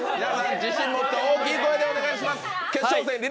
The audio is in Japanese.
自信持って大きい声でお願いします。